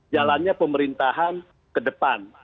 jalannya pemerintahan ke depan